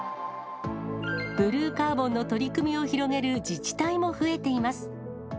ブルーカーボンの取り組みを広げる自治体も増えています。